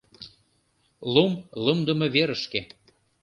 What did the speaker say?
Лум лумдымо верышке.